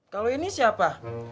kalau ini siapa